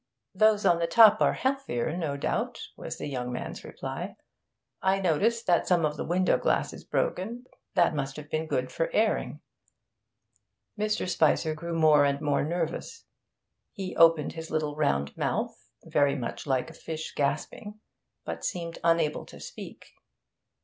'Those on the top are healthier, no doubt,' was the young man's reply. 'I noticed that some of the window glass is broken. That must have been good for airing.' Mr. Spicer grew more and more nervous. He opened his little round mouth, very much like a fish gasping, but seemed unable to speak.